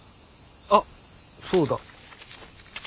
あっそうだ。